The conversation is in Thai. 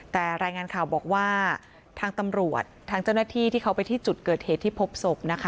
แต่รายงานข่าวบอกว่าทางตำรวจทางเจ้าหน้าที่ที่เขาไปที่จุดเกิดเหตุที่พบศพนะคะ